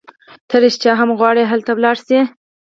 ته رېښتیا هم غواړي هلته ولاړه شې؟